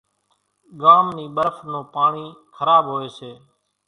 ڳام نِي ٻرڦ نون پاڻِي کراٻ هوئيَ سي۔